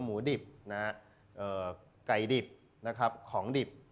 หมูดิบไก่ดิบของดิบ